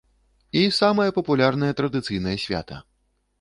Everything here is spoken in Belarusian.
І самае папулярнае традыцыйнае свята.